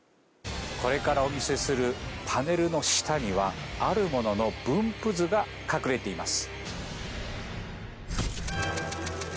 これからお見せするパネルの下にはあるものの分布図が隠れています